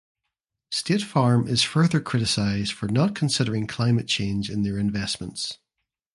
State Farm is further criticized for not considering climate change in their investments.